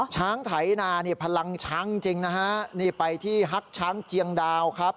ไถนานี่พลังช้างจริงนะฮะนี่ไปที่ฮักช้างเจียงดาวครับ